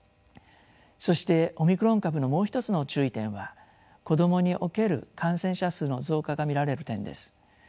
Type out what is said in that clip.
そしてオミクロン株のもう一つの注意点は子どもにおける感染者数の増加が見られる点です。